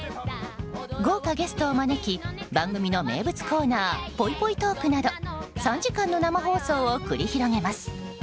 豪華ゲストを招き番組の名物コーナーぽいぽいトークなど３時間の生放送を繰り広げます。